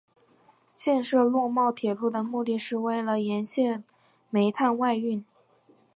建设洛茂铁路的目的是为了沿线煤炭外运。